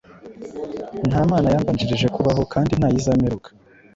nta Mana yambanjirije kubaho, kandi nta yizamperuka.